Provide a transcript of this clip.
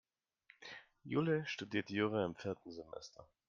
Jule studiert Jura im vierten Semester.